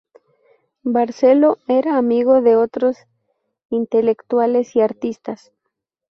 Barceló era amigo de otros intelectuales y artistas.